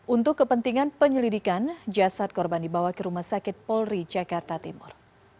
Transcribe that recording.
untuk kepentingan penyelidikan jasad korban dibawa ke rumah sakit polri jakarta timur